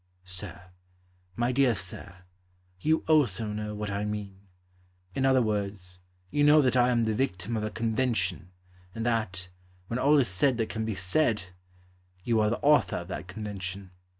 Sir, My dear Sir, You also know what I mean; In other words, you know That I am the victim of a convention, And that, when all is said that can be said, You are the author of that convention.